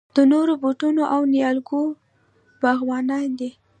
د نوو بوټو او نیالګیو باغوانان دي.